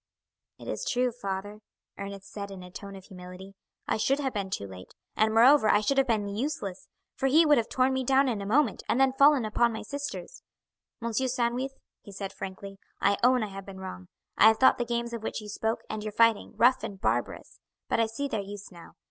"It is true, father," Ernest said in a tone of humility. "I should have been too late, and, moreover, I should have been useless, for he would have torn me down in a moment, and then fallen upon my sisters. M. Sandwith," he said frankly, "I own I have been wrong. I have thought the games of which you spoke, and your fighting, rough and barbarous; but I see their use now.